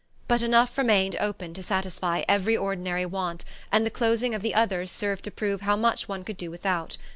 But enough remained open to satisfy every ordinary want, and the closing of the others served to prove how much one could do without.